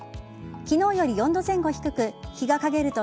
昨日より４度前後低く日が陰ると